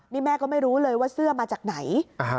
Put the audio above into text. นี่แม่ก็ไม่รู้เลยว่าเสื้อมาจากไหน